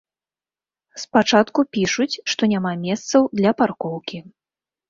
Спачатку пішуць, што няма месцаў для паркоўкі.